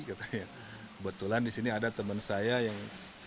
kebetulan di sini ada teman saya yang